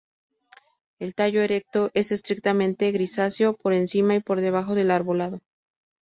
El tallo erecto es estrictamente grisáceo por encima y por debajo del arbolado.